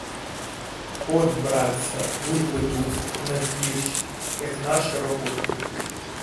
От, братця, бульби дув, незгірш, як наші ропухи!